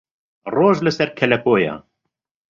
ڕۆژ لە سەر کەلەپۆیە